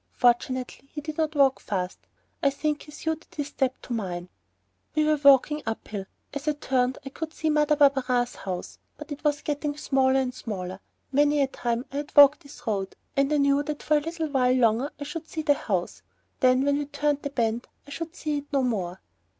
Fortunately he did not walk fast. I think he suited his step to mine. We were walking up hill. As I turned I could still see Mother Barberin's house, but it was getting smaller and smaller. Many a time I had walked this road and I knew that for a little while longer I should still see the house, then when we turned the bend, I should see it no more.